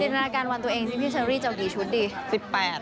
ในธนาการวันตัวเองที่พี่เชอรี่จะเอากี่ชุดดิ